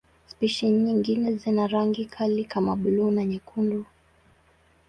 Spishi nyingine zina rangi kali kama buluu na nyekundu.